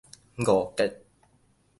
五結